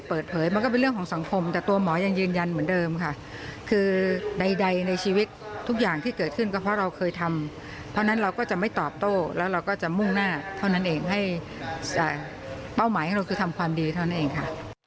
เป้าหมายของเราคือทำความดีเท่านั้นเองค่ะ